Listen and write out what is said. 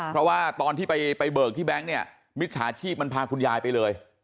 เพราะว่าตอนที่ไปเบิกที่แก๊งเนี่ยมิจฉาชีพมันพาคุณยายไปเลย